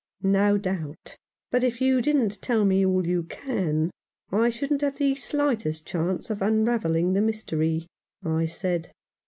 " No doubt ! But if you didn't tell me all you can I shouldn't have the slightest chance of un ravelling the mystery," I said.